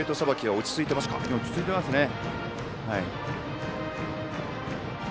落ち着いていますね。